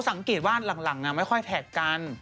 สังเกตว่าหลังไม่ค่อยแท็กกัน